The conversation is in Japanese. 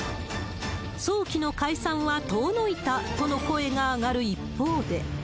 早期の解散は遠のいたとの声が上がる一方で。